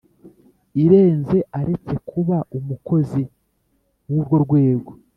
irenze aretse kuba umukozi w urwo rwego